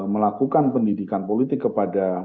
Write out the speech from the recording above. melakukan pendidikan politik kepada